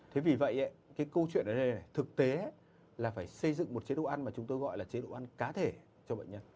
thế vì vậy ấy cái câu chuyện này này này này thực tế là phải xây dựng một chế độ ăn mà chúng tôi gọi là chế độ ăn cá thể cho bệnh nhân